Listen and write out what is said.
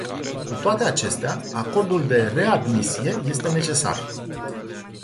Cu toate acestea, acordul de readmisie este necesar.